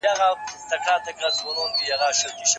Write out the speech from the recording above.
دوی د خپلو نجونو تبادله نه کوي.